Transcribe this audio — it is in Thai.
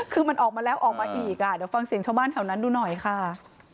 คือมันออกมาแล้วออกมาอีกอ่ะเดี๋ยวฟังเสียงชาวบ้านแถวนั้นดูหน่อยค่ะ